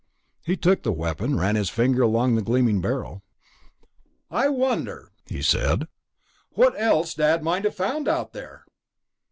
He took the weapon, ran his finger along the gleaming barrel. "I wonder," he said, "what else Dad might have found out there."